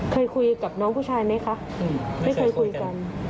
เคยคุยกับน้องผู้ชายไหมคะไม่เคยคุยกัน